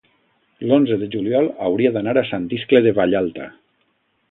l'onze de juliol hauria d'anar a Sant Iscle de Vallalta.